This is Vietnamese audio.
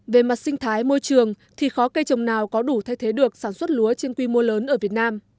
về mặt sinh thái môi trường thì khó cây trồng nào có đủ thay thế được sản xuất lúa trên quy mô lớn ở việt nam